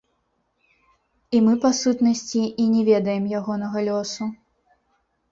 І мы, па сутнасці, і не ведаем ягонага лёсу.